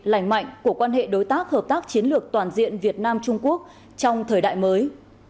lành mạnh của quan hệ đối tác hợp tác chiến lược toàn diện việt nam trung quốc trong thời đại mới